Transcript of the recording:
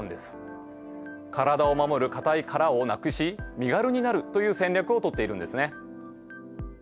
体を守る硬い殻をなくし身軽になるという戦略をとっているんですね。